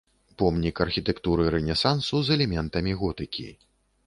Помнік архітэктуры рэнесансу з элементамі готыкі.